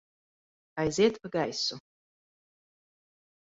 Aiziet pa gaisu!